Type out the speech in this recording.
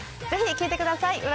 ぜひ聴いてください。